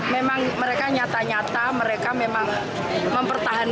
memang mereka nyata nyata mereka memang mempertahankan